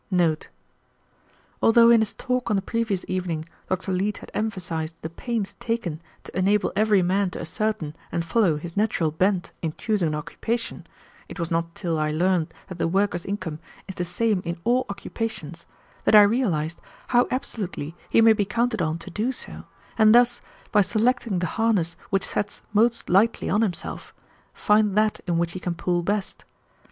Note. Although in his talk on the previous evening Dr. Leete had emphasized the pains taken to enable every man to ascertain and follow his natural bent in choosing an occupation, it was not till I learned that the worker's income is the same in all occupations that I realized how absolutely he may be counted on to do so, and thus, by selecting the harness which sets most lightly on himself, find that in which he can pull best.